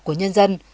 của nhân dân